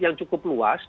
yang cukup luas